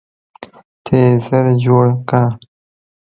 ته یې ژر جوړ کړه.